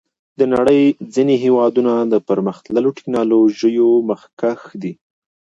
د نړۍ ځینې هېوادونه د پرمختللو ټکنالوژیو مخکښ دي.